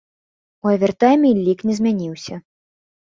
У авертайме лік не змяніўся.